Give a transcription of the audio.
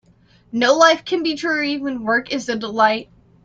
No life can be dreary when work is a delight.